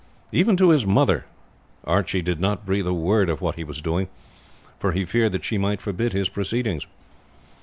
Even to his mother Archie did not breathe a word of what he was doing, for he feared that she might forbid his proceedings.